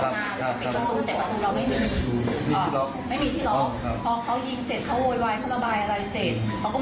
พวกเธอยังอยู่ในอาการตกใจกับเหตุการณ์สะเทือนขวัญ